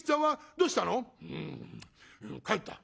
「うん帰った」。